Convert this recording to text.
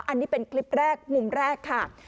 อันนี้เป็นคลิปแรกมุมแรกค่ะ